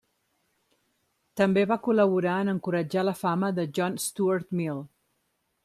També va col·laborar en encoratjar la fama de John Stuart Mill.